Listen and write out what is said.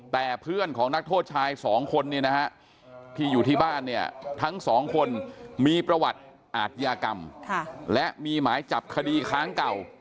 แต่เพื่อนของนักโทษชายสองคนเนี่ยนะฮะที่อยู่ที่บ้านเนี่ยทั้งสองคนมีประวัติอาทยากรรมและมีหมายจับคดีค้างเก่า